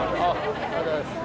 ありがとうございます！